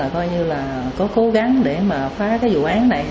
có cố gắng để phá cái vụ án này